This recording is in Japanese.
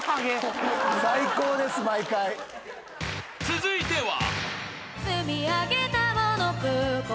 ［続いては］